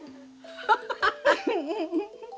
ハハハハ。